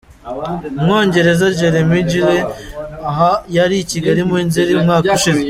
Umwongereza Jeremy Gilley aha yari i Kigali muri Nzeri umwaka ushize.